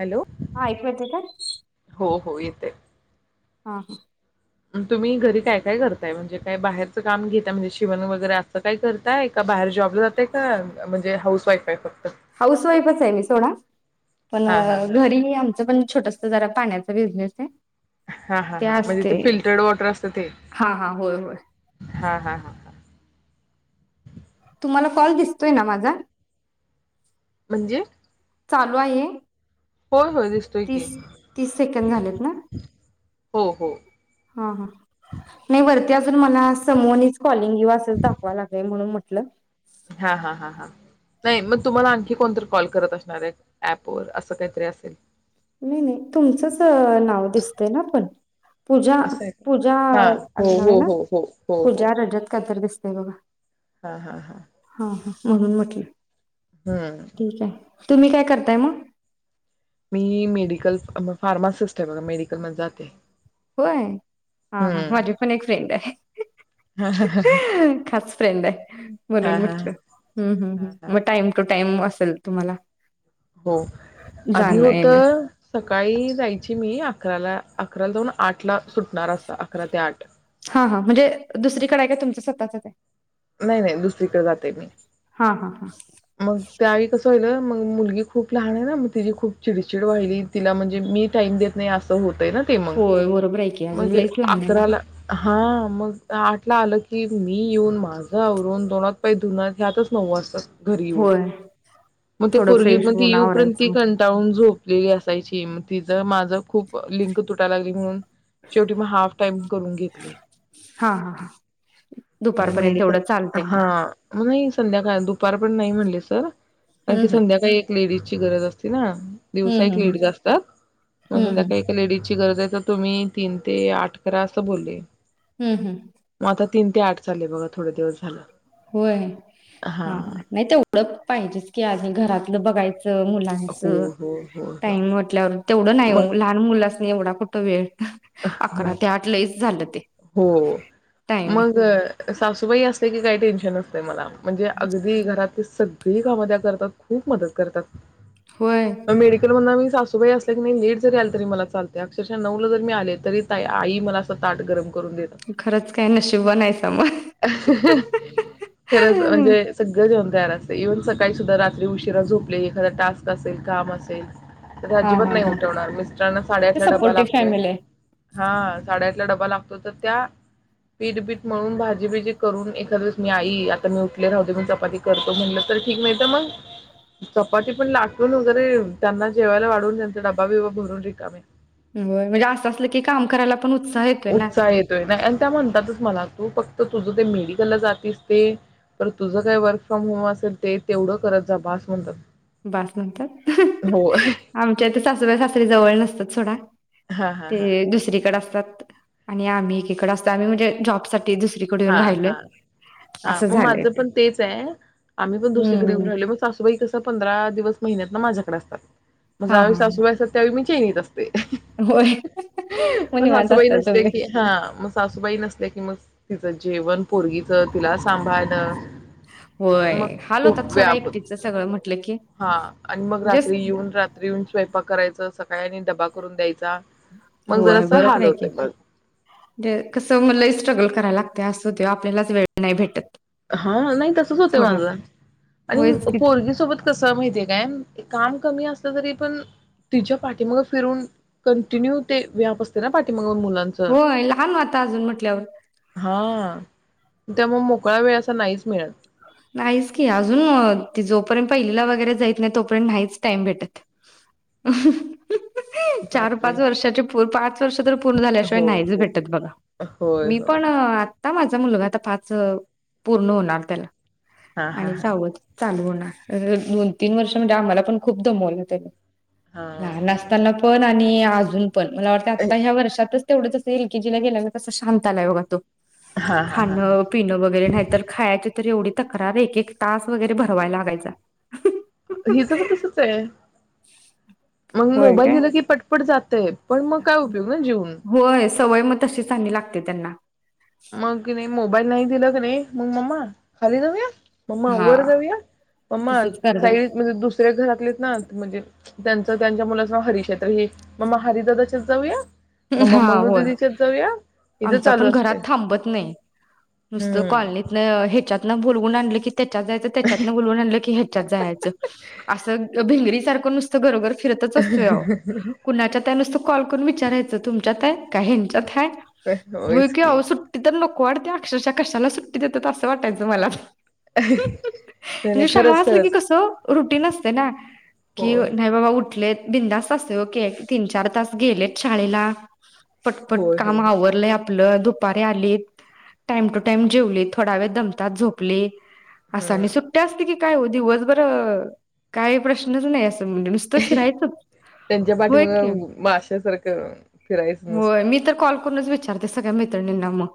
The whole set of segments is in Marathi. हॅलो हा ऐकू येते का? हो हो येत [inaudible] हा हा तुम्ही घरी काय काय करताय म्हणजे काय बाहेरचं काम घेता म्हणजे शिवण वगैरे असं काय करताय का बाहेर जॉब - फक्त? हाऊस वाईफच आहे मी सोडा पण हा हा हा घरी आमच पण छोटस जरा पाण्याचा बिझनेस ए हा हा हा म्हणजे ते फिल्टर्ड वॉटर असत ते हा हा होय होय हा हा हा तुम्हाला कॉल दिसतोय ना माझा म्हणजे चालू आहे. होय होय दिसतोय की तीस तीस सेकंड झालेत ना हो हो हा हा नाही वरती अजून मला समोनीच कॉलिंग यो असच दाखवाय लागलया म्हणून म्हणलं हलं [unintelligible] हा, हा, हा, हा, नाही मग तुम्हाला आणखी कोणतरी कॉल करत असणारये ऍप व असं काहीतरी असेल. नाय नाह्य तुमचंच नाव दिसतय ना पण? पूजा असं आहे का? पूजा हा हो नाव य हो ना हो हो हो हो पूजा रजत काय तर दिस कय [unintelligible] बघा हा, हा, हा. हा म्हणून म्हटले. हा तुम्ही काय करताय म? मी मेडिकल फार्मासिस्ट बघा मेडिकल मध्ये जातेय. होय हा, हा, माझी पण एक फ्रेंडय. ह, ह, ह फ्रेंडय म्हणून म्हटलं हम, हम, हा हम, हा म टाइम टू टाइम अस तल तुम्हाला हो आधी जाणं होत येणं. सकाळी जायची मी अकराला अकराला जाऊन आठला हा हा म्हणजे दुसरीकड का तुमच स तचचय [unintelligible] व्हय व्हय दुसरीकडे जातोय मी हा हा हा मग त्यावेळी कसं होईल मग मुलगी खूप लहान आहे ना मग तिची खूप चिडचिड व्हायली तिला म्हणजे मी टाईम देत नाय असं होतय ना ते मग होय बरोबर की अजून म्हणजे लईच लहानय ना. अकराला हा मग आठला आलं की मी येऊन माझं आवरून तोंड हात पाय धुऊन ह्यातच नऊ वाजतातं. घरी येऊन होय मग ती थोडं पोरगी फ्रेश म होऊन येऊपर्यंत आवरायचं ती म्हटलं. कंटाळून झोप डी घासायची म तिचं माझं खूपच लिंक तुटाय लागली म्हणुन शेवटी म हाप टाइम करुन घेतले, हा हा हा म ते दुपारपर्यंत मेडिकल तेवढं चालतंय मग. हा. नाही संध्याकाळी अदुक दुपारपर्यंत नाय म्हणले सर. कारण की हम्म संध्याकाळी एक लेडीजची गरज असती ना हम्म दिवसा एक हम्म लेडीज् असतात, मग हम्म हम्म हम्म संध्याकाळी एक लेडीची गरज आहे तर तुम्ही तीन ते आठ करा असं बोले. हम्म हम्म तीन ते आठ चाललंय बघा थोड दिवस झालं. होय हा नाही ते ओळख पाहिजेच की आज घरातलं बघायच हो मुलाचं हो हो हो टाइम वाटल्यावर तेवढं नाही मग ओ लहान मुलांसनी एवढा कुठं वेळ अकरा नाही ते आठ लईच झालं. ते हो म टायमिंग सासूबाई असल्या की काही टेन्शन नसतंय मला म्हणजे अगदी घरात ती सगळी कामं त्या करतात खूप मदत करतात. होय म मेडीकलमधंन आम्ही सासूबाई असला की नाही लेट जरी आलं तरी मला चालतय. अक्षरशः नऊ ला जर मी आले तरी ताई आई मला असं ताट गरम करुन देतात खरंच काय नशिबवान हायसा मग खरच म्हणजे सगळं जा तयार असतयं येऊन सकाळी सुद्धा रात्री उशिरा झोपले एखादा टास्क असेल काम असेल तर हा अजिबात हा नाही हा उठवणार मिस्टरांना ते साडेआठला डब्बा सपोर्टिव्ह लागतोय फॅमिली आहे. हा साडेआठ तिला डबा लाग तर त्या पीठ बीठ मळून भाजीबीजी करून एखाद दिवस मी आई आता मी उठले राहु दे मी चपाती करतो म्हटलं तर ठीक नाहीत मग चपाती पण लाटून वगैरे त्यांना जेवायला वाढवून त्यांचा डबा बिबा भरून रिकाम्या व्हय म्हणजे असं असलं की काम करायला पण उत्साह येतोय ना उत्साह येतोय नाही आणि त्या म्हणतात चं म्हणा तू फक्त तुझं ते मेडिकलला जातेस ते तर तुझं काय वर्क फ्रॉम होम असेल ते तेवढं करत जा बास म्हणतात. बास म्हतात, हो आमच्या इथ सासुबाय सासरे जवळ नसत तो सोडा हां हां हां ते दुसरीकडे असतात. आणि आम्ही एकेकड असतो आम्ही म्हणजे जॉबसाठी दुसरीकडे हा येऊन राहिलोय हा हा असं मग झालंय माझं ते. पण तेच आहे आम्ही पण दुसरीकडे येऊन हम्म राहिल मग सासूबाई कसं पण पंधरा दिवस महिन्यात ना माझ्याकडे असतात. म हा ज्यावेळी हा सासूबाय असात त्यावेळी मी होय मग [unintelligible] म निवांत सासूबाई असताय नसले तुम्ही. की हा मग सासूबाई नसले की मग जेवण पोरगीच तिला सांभाळणं. मग होय हाल खूप होतात सोडा व्याप होत एकटीच सगळं म्हटलं की हा आणि मग जस्ट रात्री येऊन रात्री येऊन स्वयंपाक करायच स काय नाही डब्बा करून द्यायच होय बरोबर आहे की मग ते कस म लई स्ट्रगल कर कराय लागतय अस होतंय आपल्यालाच वेळ नाही भेटत. हा नाही तसच होतय थोडा माझं आणि होयच की पोरगी सोबत कसं माहितीये काय? काम कमी असलं तरी पण तिच्या पाठीमाग फिरून कंटिन्यू ते व्याप असते ना पाठीमा होय लहान होता अजून म्हटल्यावर हा त्यामुळे म मोकळा वेळ असा नाहीच मिळत. नाहीच की अजून ती जोपर्यंत पहिलीला वगैरे जाईत नाही तोपर्यंत नाहीच टाईम भेटत. चार, बापरे पाच वर्षाचे पाच वर्ष तर पूर्ण झाल्याशिवाय हो नाहीच हो. भेटत बघा होय मी होय पण आता माझा मुलगा आता पाच पूर्ण होणार त्याला हा हा आणि हा सावध चालू होणार. अ दोन, तीन वर्ष म्हणजे आम्हाला पण खूप दमवलं त्यांनी. हा लहान असताना पण आणि आणि अजून पण मला वाटतं ए, आता ह्या वर्षातच तेवढंच असतंय ए ल के जिला गेल्यावर कसं शांत आलाय बघा तो. हा हा खाण हा हा पिणं वगैरे नाही तर खायचे तरी एवढ तक्रार एक-एक तास वगैरे भरवाय लागायचा. हिज पण तसच आहे. मग होय मोबाईल काय दिेला की पटपट जातय पण मग काय उपयोग ना जेवून. होय सवय मग तशी चांगली लागते त्यांना. मंग कनी मोबाईल नाही दिल कनी मग मम्मा खाली जाऊया मम्मा हा वर जाऊया, मम्मा तसच करतात साईडीत म्हणजे दुसऱ्या घरातलेत ना म्हणजे त्यांच त्यांच्या मुलाचं नाव हरीश ये तर हे मम्मा हरि दादाच्यात जाऊया. मम्मा हा मनू होय दिदीच्याच जाऊया हिज आमचा चालू पण घरात असते थांबत नाई नुसत हम्म कॉलनीतन हे त्यातन भुलऊन आणल की त्याच्यात जायच त्याच्यातन बोलवून आणल की ह्याच्यात जायाच अस भिंगरी सारख नुसत गरगर फिरतच आसतोय आहो कुणाच्यात हाय नुसत कॉल करून विचा [unintelligible] तो तुमच्यात हाय? का हयांच्यात हाय? होय की आहो सुट्टी तर नक कॉड त्या अक्षरशच्या कशाला सुट्टी देतात अस वाटायच मला नाही नाही म्हणजे शाळा खरंच असली की खरंच कस रुटीन असते ना कि होय नाय बाबा उठलेत बिंदास अस ओक [unintelligible] तीन चार तास गेलेच शाळेला पटपट होय होय काम होय. आवरलय आप मुलं दुपारी आली टाइम टू टाइम जेवली थोडा वेळ दमतात झोपली. अस आणि हम्म सुट्ट्या असते की, काय हो दिवस बर काही प्रश्नच नाही अस त्यांच्या होय की पाठीमाग माश्या सारख होय मी तर कॉल करूनच विचारते सगळ्या मैत्रिणींना मग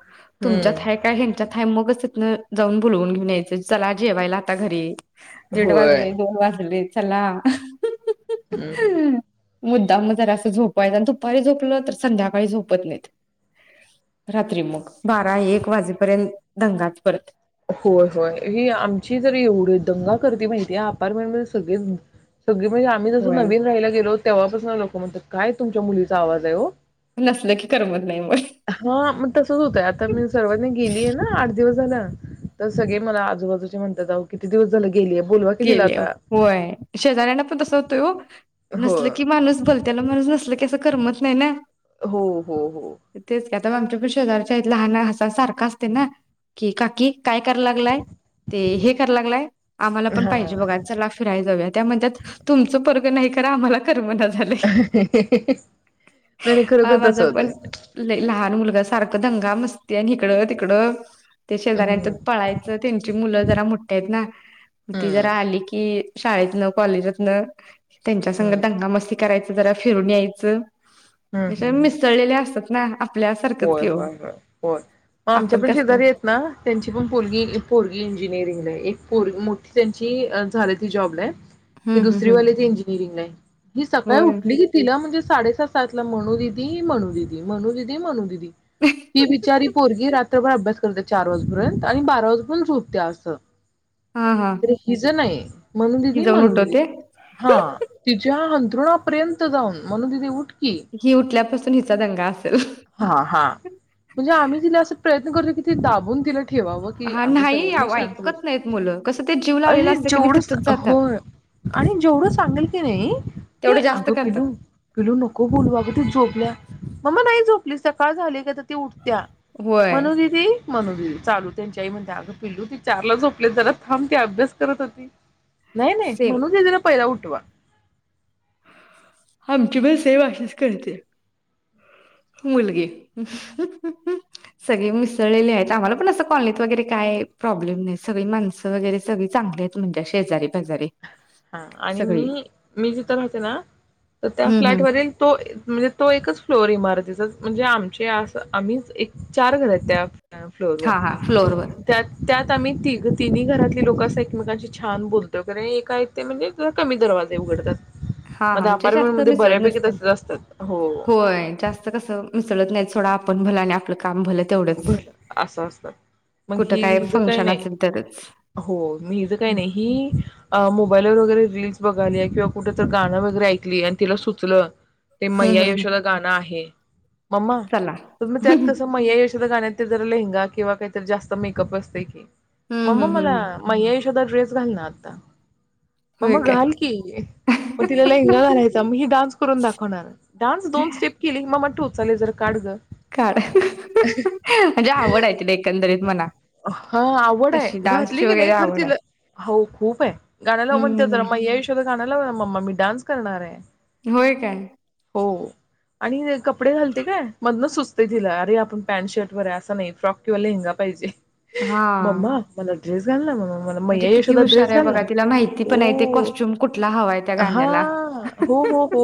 तुमच्या हाय हम्म काय ह्याच्यात हाय मगच हं जाऊन बोलवून घेऊन यायचय चला जेवायला आता घरी दीड होय वाजले दोन वाजले चला [inaudible] मुद्दाम मग जरास झोपव्हायचं [unintelligible] दुपारी झोपल तर संध्याकाळी झोपत नाहीत रात्री मग बारा एक वाजेपर्यंत दंगाच परत होय होय ही आमची तर एवढी दंगा करती माहितीये अपार्टमेंट मध्ये सगळे सगळी म्हणजे आम्ही जस होय नवीन राहायला गेलोत तेव्हापासून लोक म्हणतात काय तुमच्या मुलीचा आवाज आहे ओ नसलं की करमत नाही मग हा म तसच होतंय आता मी सर्वांनी गेलीय ना आठ दिवस झाला. तर सगळे मला आजूबाजूचे म्हणतात अहो किती दिवस झाल गेले होय शेजऱ्यांना पण तस होतय ओ हो नसल की माणूस भलत्याला माणूस नसल की, करमत नाही ना हो हो हो ते आता आमच्याप शेजारच्या लहान हसा सारखं असते ना की काकी काय करा लागलाय ते हे करा लागलाय आम्हाला पण हा पाहिजे बघा चला फिरायला जाऊ त्या म्हणतात तुमच पोर ग नाही खरं आम्हाला करमना झालंय नाही नाही हा खरोखर माझा तसं पण होतय. लय लहान मुलगा सारखं दंगा मस्ती आणि हीकडं तिकडं ते शेजाऱ्यांच्या हम्म पळायचं त्यांची मुलं जरा मोठ आहेत ना ती हम्म जरा आली कि शाळेत न कॉलेजातन त्यांच्या संघ हम्म दंगा मस्ती करायची जरा फिरून यायचं हम्म हम्म मिसळलेले असतात. नाही होय, होय, होय, होय मग आमच्या आपण पण कसं शेजारी आहेत ना त्यांची पण पोरगी इंजिनियरिंग आहे, एक पोरगी मोठी त्यांची झाली ती जॉबला की हम्म हम्म दुसरी हम्म वाले ते इंजिनिअरिंगला आहे. ही सकाळी होय उठली की तिला म्हणजे साडेसात सातला मनूदीदी, मनूदिदी, मनुदिदी, मनुदिदी ती बिचारी पोरगी अभ्यास करत चार वाजपर्यंत आणि बारा वाजेपर्यंत झोपतीया असं हा हा त हि ज नाही ही मनूदिदी, जाऊन मनूदिदी उठवते हा तिच्या हाण तृणापर्यंत जाऊन मनू दीदी उठ की ही उठल्यापासून त हिचा दंगा हा, हा म्हणजे आम्ही तिला असं प्रयत्न करतोय कि दाबून तिला ठेवाव की हा अग नाही सर्वज्ञा आवो शांत ऐकत नाहीत बस मुलं कसं ते जीव लावलेला आणि असतं की नाही तिथंच जेवढं जातात होय आणि जेवढं सांगेल ते नाही ते तेवढं जास्त अगं पिलू करतात पिलू नको बोलू अगं ते झोपल्या. मम्मा नाही झोप आपली सकाळ झाली का ती उठ त्या होय मनुदिदी, मनुदिदी चालू त्यांच्या आई म्हणजे अगं पिल्लू त चारला झोपले जरा थांब ते अभ्यास करत होती. नाही नाही सेम मनू दीदी ला पहिला उठवा. आमची पण सेम अशीच करत्या मुलगी ह ह ह ह सगळे मिसळलेले आहेत आम्हाला पण असं कॉलनीत वगैरे काय प्रॉब्लेम नाही सगळी माणसं वगैरे सगळी चांगली आहेत म्हणजे शेजारी पाजारी हा आणि सगळी मी मी जिथ राहते ना तर त्या हम्म हम्म फ्लॅटवरील तो म्हणजे तो एकच फ्लोर इमार च म्हणजे आमचे आम्हीच एक चार घर आहेत त्या फ्लोर वर हा हा फ्लोअरवर त्या, त्या आम्ही तिघ तिन्ही घरातले लोक असं एकमेकांशी छान बोलतो कार एकाय ते म्हणजे कमी दरवाजे उघडतात. हा मग आमच्यात अपार्टमेंट जास्त मध्ये मिसळत बऱ्यापैकी नसते तसेच असतात हो होय जास्त कस मिसळत नाहीच. थोड आपण भल आणि आपलं काम भलं तेवढंच बर अस असत मग कुठं काय हिच काही फंक्शन नाही असेल तरच हो हिच काही हम्म नाही ही मोबालवर वैगेरे रील बघाली किंवा कुठे तर गाणं वगैरे ऐकली आणि तिला सुचलं ते हम्म मय्या हम्म यशोदा गाणं आहे. मम्मा चला तुम्ही त्यात हम्म कसं म यश कुठ गाण्यात ते जरा लेहंगा किंवा काहीत जास्त मेकअप असते की हम्म मम्मा हम्म मला हम्म म यश एखादा ड्रेस घाल ना आता. होय मम्मा काय घाल की मग तिला लेहंगा घालायचा ही डान्स करून दाखवणार डान्स दोन स्टेप केली मम्मा तू चले ये जरा काढ गं. काढ. म्हणजे आवड आहे तिला एकंदरीत म्हणा हा आवड आहे तशी घातली डान्सची की वगैरे नाही खर आवड आहे. तिला हो खूप हे गाण्याला म्हणते तर हम्म मैया यशोदा गाणं लाव न मम्मा मी डान्स करणार आहे. होय काय. हो आणि कप कपडे घालते काय मधनं सुस् येते तिला अरे आपण पॅन्ट शर्ट वैगेरे अस नाही फ्रॉक किंवा लेहंगा पाहिजे. हा "मम्मा, मला ड्रेस घालना मम्मा मला म्हणजे मैया किती यशोदा हुशार ड्रेस आहे घाल बघा ना तिला माहिती पण आहे ते ओ कॉस्ट्युम कुठला हवाय त्या हा गाण्याला हो हो हो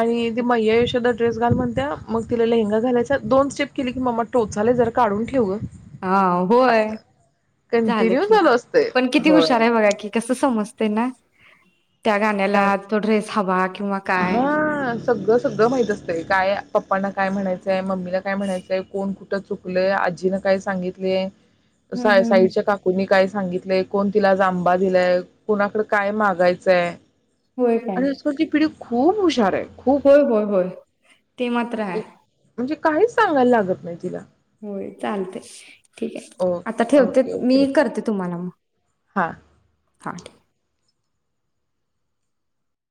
आणि ते मैया यशोदा ड्रेस घाल म्हणत्या मग तिला लेहेंगा घालायचा दोन स्टेप केली की म्मा टोचाले जर काढून ठेव ग. हा होय झालं कंटिन्यू की चालू असतंय. पण किती हुशार होय. आहे बघा कि कसं समजते ना. त्या गाण्याला काय तो ड्रेस हवा किंवा काय हम्म हा सगळं सगळं माहित असतंय काय पप्पांना काय म्हणायचंय मम्मीला काय म्हणायचंय कोण कुठ कोण कुठ चुकलं आजीनं काय सांगितलीय. साई हम्म हम्म. साईच्या काकूंनी काय सांगितलंय कोण तिला जांबा दिलाय कोणाकडे काय मागायचंय होय काय आणि सो ती पीढी खूप हुशार आहे. खूप होय होय होय ते मात्र हाय. म्हणजे काहीच सांगायला लागत नाही तिला. होय चालतय. ठीक आहे ओ आता ठेवते ओके ओके मी ओके करते तुम्हाला मग हा हां ठीक